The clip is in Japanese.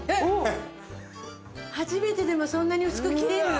初めてでもそんなに薄く切れるの？